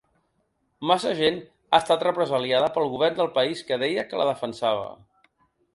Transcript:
Massa gent ha estat represaliada pel govern del país que deia que la defensava.